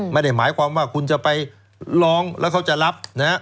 ไม่ได้หมายความว่าคุณจะไปร้องแล้วเขาจะรับนะฮะ